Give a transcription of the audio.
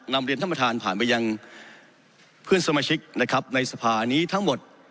นำเรียนท่านประธานผ่านไปยังเพื่อนสมาชิกนะครับในสภานี้ทั้งหมด